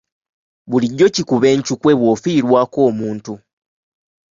Bulijjo kikuba enkyukwe bw'ofiirwako omuntu.